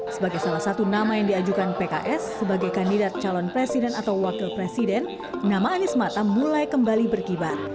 sebagai salah satu nama yang diajukan pks sebagai kandidat calon presiden atau wakil presiden nama anies mata mulai kembali berkibar